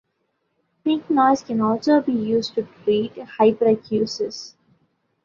Pink noise can also be used to treat hyperacusis.